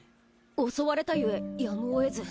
襲われたゆえやむを得ず。